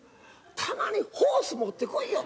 「たまにホース持ってこいよ！」。